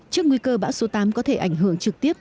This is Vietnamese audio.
trước nguy cơ bão số tám có thể ảnh hưởng trực tiếp